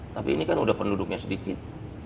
tapi ini kan udah penduduknya sedikit